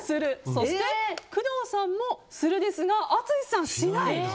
そして、工藤さんもするですが淳さんはしない。